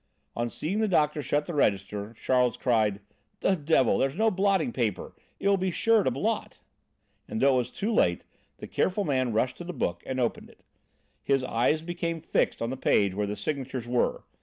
On seeing the doctor shut the register, Charles cried: "The devil there's no blotting paper in it, it will be sure to blot!" And, though it was too late, the careful man rushed to the book and opened it. His eyes became fixed on the page where the signatures were.